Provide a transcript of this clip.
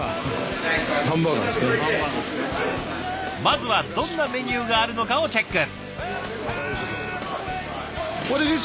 まずはどんなメニューがあるのかをチェック。